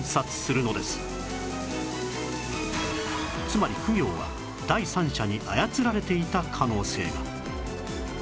つまり公暁は第三者に操られていた可能性が